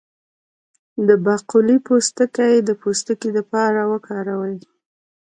د باقلي پوستکی د پوستکي لپاره وکاروئ